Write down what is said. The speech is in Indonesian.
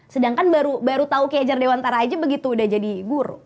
sedangkan baru tahu kiejar dewantara aja begitu udah jadi guru